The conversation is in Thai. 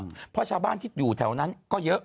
เพราะชาวบ้านที่อยู่แถวนั้นก็เยอะ